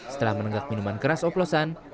setelah menenggak minuman keras oplosan